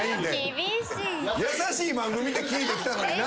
優しい番組って聞いてきたのにな。